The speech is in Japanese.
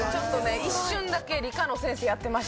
一瞬だけ理科の先生やってまして。